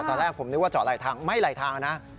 ตอนแรกผมนึกว่าจอดหลายทางไม่ไหลทางนะ